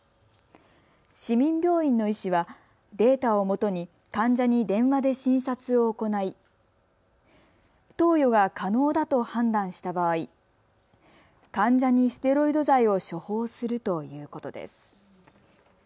市民病院の医師はデータをもとに患者に電話で診察を行い投与が可能だと判断した場合、患者にステロイド剤を処方するということです。